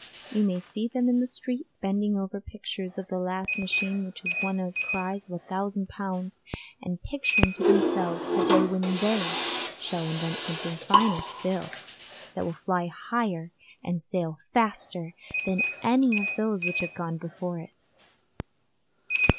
You may see them in the street bending over pictures of the last machine which has won a prize of a thousand pounds, and picturing to themselves the day when they shall invent something finer still, that will fly higher and sail faster than any of those which have gone before it.